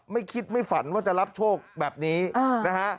ไม่คิดไม่ฝันว่าจะรับโชคแบบนี้นะฮะ